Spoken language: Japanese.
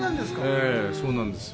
え、そうなんですよ。